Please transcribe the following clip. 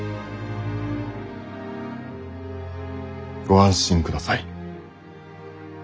ご安心ください。